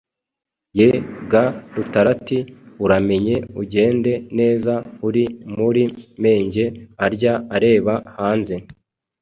Ye ga Rutarati! Uramenye ugende neza, uri muri Menge arya areba hanze!